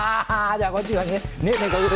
じゃあこっちから。